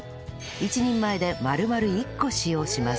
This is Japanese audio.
１人前で丸々１個使用します